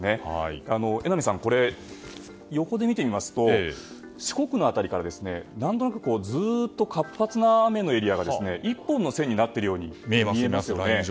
榎並さん、これ横で見てみますと四国の辺りからずっと活発な雨のエリアが１本の線になっているように見えますよね。